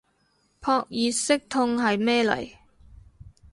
撲熱息痛係咩嚟